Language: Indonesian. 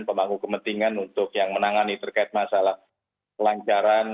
pemangku kepentingan untuk yang menangani terkait masalah kelancaran